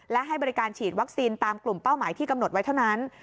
และให้บริการฉีดวัคซีนตามกลุ่มเป้าหมายที่กำหนดไว้เท่านั้น